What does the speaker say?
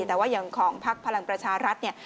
แต่ว่าอย่างของพักพลังประชารัฐเนี่ย